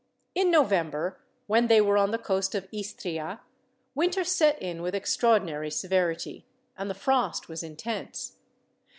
In November, when they were on the coast of Istria, winter set in with extraordinary severity, and the frost was intense.